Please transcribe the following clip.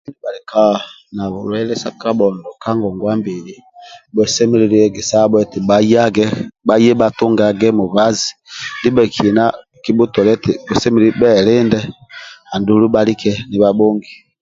Bhaika nabulwaile sa kabhondo ka ngongwa mbili bhusemelelu egesabho eti bhayage bhaye bbhatunganage mubazi ndibhekina kibhutolie eti bhusemelelu bhelinde andulu bhalike nibhabhongi